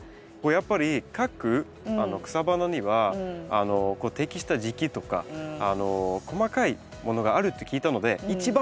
やっぱり各草花には適した時期とか細かいものがあるって聞いたので一番